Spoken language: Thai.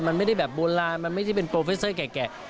มันไม่ได้แบบโบราณมันไม่ได้เป็นโปรเฟสเตอร์แก่